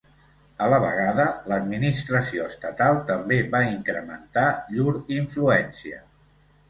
A la vegada l'administració estatal també va incrementar llur influència.